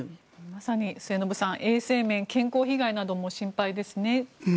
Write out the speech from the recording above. まさに末延さん衛生面、健康被害なども心配ですね。